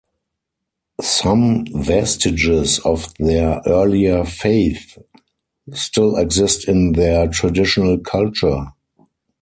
Some vestiges of their earlier faith still exist in their traditional culture.